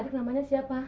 adik namanya siapa